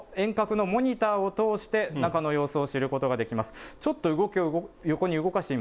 私はこの遠隔のモニターを通して、中の様子を知ることができます。